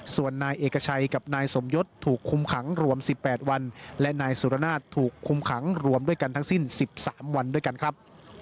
ส่วนนายเอกชัยกับนายสมยศถูกคุมขังรวม๑๘วันและนายสุรนาศถูกคุมขังรวมด้วยกันทั้งสิ้น๑๓วันด้วยกันครับ